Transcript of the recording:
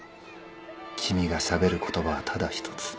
君がしゃべる言葉はただ一つ。